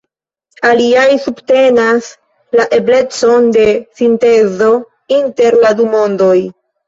Aliaj subtenas la eblecon de sintezo inter la du mondoj.